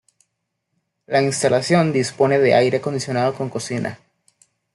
La instalación dispone de aire acondicionado con cocina.